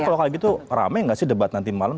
nah kalau kali gitu rame gak sih debat nanti malam